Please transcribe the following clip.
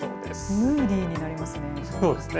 ムーディーになりますね。